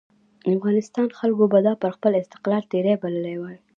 افغانستان خلکو به دا پر خپل استقلال تېری بللی وای.